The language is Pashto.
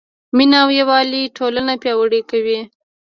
مینه او یووالی ټولنه پیاوړې کوي.